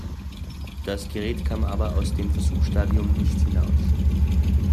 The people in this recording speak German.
Das Gerät kam aber aus dem Versuchsstadium nicht hinaus.